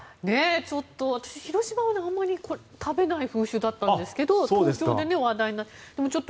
ちょっと私、広島はあまり食べない風習だったんですが東京では話題になって。